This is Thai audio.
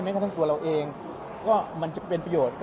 กระทั่งตัวเราเองก็มันจะเป็นประโยชน์